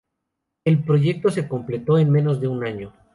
El proyecto se completó en menos de un año.